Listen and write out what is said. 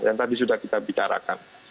yang tadi sudah kita bicarakan